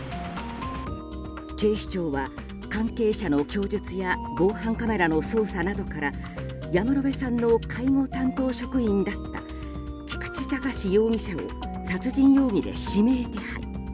警視庁は関係者の供述や防犯カメラの捜査などから山野辺さんの介護担当職員だった菊池隆容疑者を殺人容疑で指名手配。